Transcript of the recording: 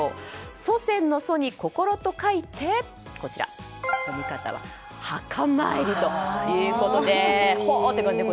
祖先の「祖」に「心」と書いて「はかまいり」ということです。